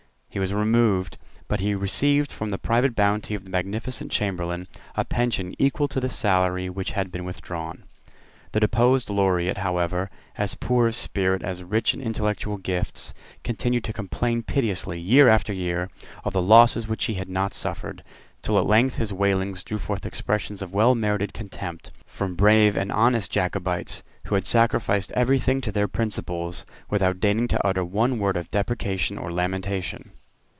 He was removed; but he received from the private bounty of the magnificent Chamberlain a pension equal to the salary which had been withdrawn. The deposed Laureate, however, as poor of spirit as rich in intellectual gifts, continued to complain piteously, year after year, of the losses which he had not suffered, till at length his wailings drew forth expressions of well merited contempt from brave and honest Jacobites, who had sacrificed every thing to their principles without deigning to utter one word of deprecation or lamentation.